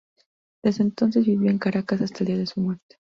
Desde entonces vivió en Caracas hasta el día de su muerte.